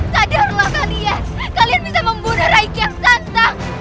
sadarlah kalian kalian bisa membunuh rai kiyasasa